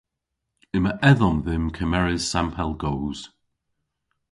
Yma edhom dhymm kemeres sampel goos.